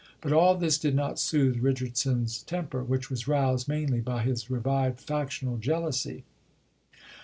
But all this did not soothe Richardson's temper, which was roused mainly by his revived factional jealousy.